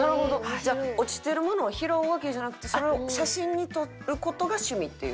じゃあ落ちてるものを拾うわけじゃなくてそれを写真に撮る事が趣味っていう？